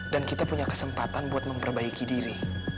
dan kita punya kesempatan buat memperbaiki diri